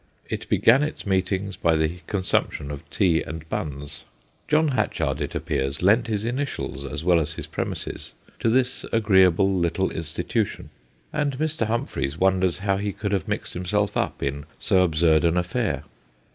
It began its meetings by the con sumption of tea and buns. John Hatchard, it appears, lent his initials as well as his premises to this agreeable little institution, and Mr. Humphreys wonders how he could have mixed himself up in so absurd an affair.